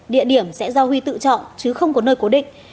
địa điểm sẽ do huy tự chọn chứ không có nơi cố định